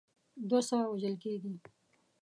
دوه سوه وژل کیږي.